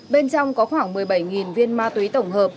bên trong có khoảng một mươi bảy viên ma túy tổng hợp